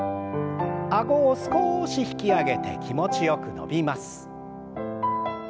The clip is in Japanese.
あごを少し引き上げて気持ちよく伸びます。